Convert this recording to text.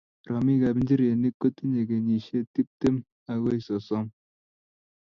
romikab nchirenik kotinyei kenyisiek tiptem akoi sososm.